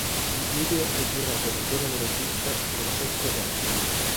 Il video è girato dal giovane regista Francesco Termini.